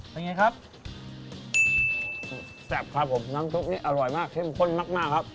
เป็นไงครับแซ่บครับผมน้ำซุปนี้อร่อยมากเข้มข้นมากมากครับ